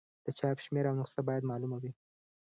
د چاپ شمېر او نسخه باید معلومه وي.